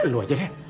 lu aja deh